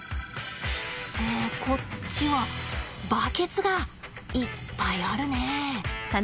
えこっちはバケツがいっぱいあるね。